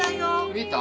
見た？